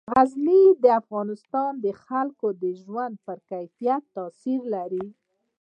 غزني د افغانستان د خلکو د ژوند په کیفیت تاثیر لري.